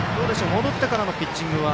戻ってからのピッチングは。